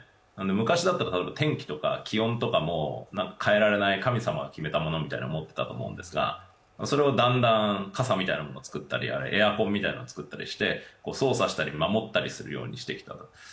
昔だったら天気とか気温とかも変えられない神様が決められるものと思っていたと思うんですが、それをだんだん、傘みたいなものを作ったりエアコンを作ったりして操作したり、守ったりするようにしてきたと。